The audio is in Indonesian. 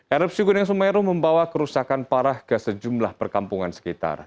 erupsi gunung sumeru membawa kerusakan parah ke sejumlah perkampungan sekitar